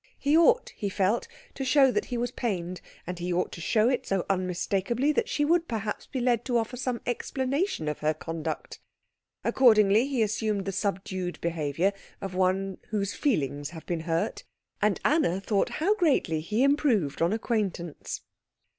He ought, he felt, to show that he was pained, and he ought to show it so unmistakably that she would perhaps be led to offer some explanation of her conduct. Accordingly he assumed the subdued behaviour of one whose feelings have been hurt, and Anna thought how greatly he improved on acquaintance.